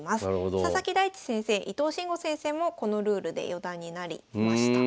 佐々木大地先生伊藤真吾先生もこのルールで四段になりました。